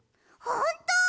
ほんと！？